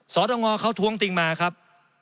สตงเขาท้วงติงมาครับ